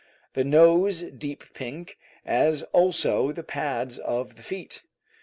The nose deep pink, as also the pads of the feet.